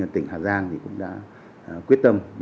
tỉnh hà giang cũng đã quyết tâm